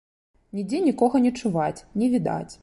Нідзе нікога не чуваць, не відаць.